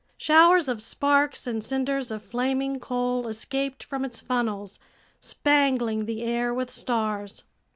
Showers of sparks and cinders of flaming coal escaped from its funnels, spangling the air with stars.